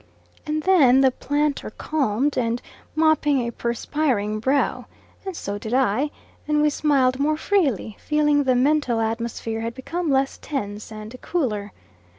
And then the planter calmed, and mopped a perspiring brow, and so did I, and we smiled more freely, feeling the mental atmosphere had become less tense and cooler.